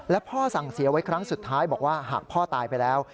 และพ่อสั่งเสียไว้ครั้งสุดท้ายบอกว่าหากพ่อตายไปแล้ว